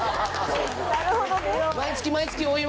なるほどね。